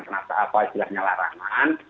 kenapa istilahnya larangan